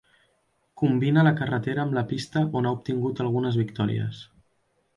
Combina la carretera amb la pista on ha obtingut algunes victòries.